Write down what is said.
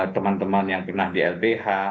teman teman yang pernah di lbh